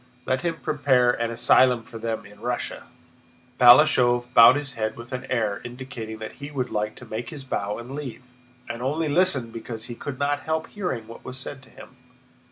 Let him prepare an asylum for them in Russia!" Balashëv bowed his head with an air indicating that he would like to make his bow and leave, and only listened because he could not help hearing what was said to him.